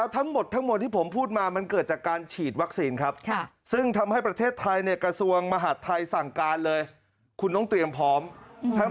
ค่ะไม่ว่าจะไปที่ไหนเขาจะใส่หน้ากากอาณามัยตลอด